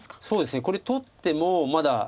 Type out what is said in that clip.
そうですねこれ取ってもまだ。